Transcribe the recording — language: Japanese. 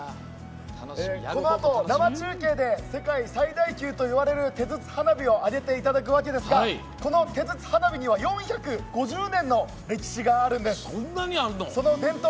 このあと、生中継で世界最大級といわれる手筒花火を揚げていただくわけですがこの手筒花火には４５０年の歴史があるんです。